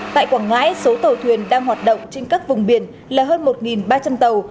tại quảng ngãi số tàu thuyền đang hoạt động trên các vùng biển là hơn một ba trăm linh tàu